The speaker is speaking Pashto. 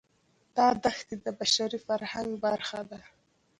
دا دښتې د بشري فرهنګ برخه ده.